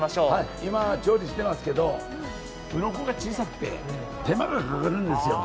今、調理していますけど、うろこが小さくて手間がかかるんですよ。